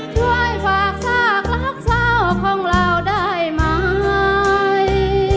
ช่วยฝากซากรักเศร้าของเราได้ไหม